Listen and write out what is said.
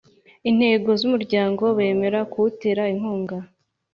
Intego z umuryango bemera kuwutera inkunga